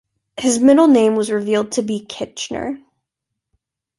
His middle name was revealed to be Kitchener.